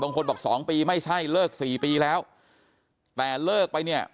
บางคนบอกสองปีไม่ใช่เลิกสี่ปีแล้วแต่เลิกไปเนี่ย